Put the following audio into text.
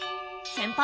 先輩